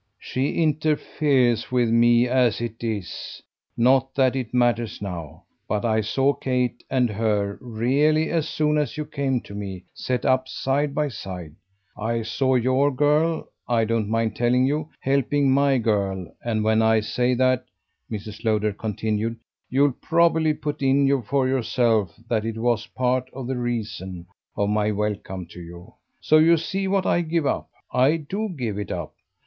"She interferes with me as it is not that it matters now. But I saw Kate and her really as soon as you came to me set up side by side. I saw your girl I don't mind telling you helping my girl; and when I say that," Mrs. Lowder continued, "you'll probably put in for yourself that it was part of the reason of my welcome to you. So you see what I give up. I do give it up.